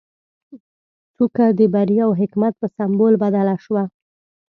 څوکه د بري او حکمت په سمبول بدله شوه.